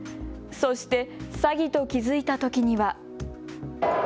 そして詐欺と気付いたときには。